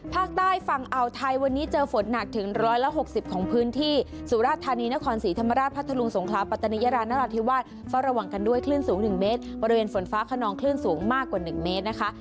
ภาคใต้ฝั่งอ่าวไทยวันนี้เจอฝนหนักถึง๑๖๐ของพื้นที่สุราธานีนครศรีธรรมราชพัทธรุงสงคราปัตนิยรานราธิวาสเฝ้าระวังกันด้วยคลื่นสูง๑เมตรบริเวณฝนฟ้าขนองคลื่นสูงมากกว่า๑เมตรนะคะ